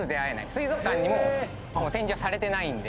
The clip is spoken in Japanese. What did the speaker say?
水族館にも展示はされてないんで。